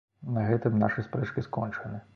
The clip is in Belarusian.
На гэтым нашы спрэчкі скончаны.